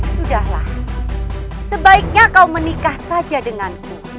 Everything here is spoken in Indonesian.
sudahlah sebaiknya kau menikah saja denganku